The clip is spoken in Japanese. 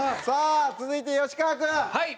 さあ続いて吉川君。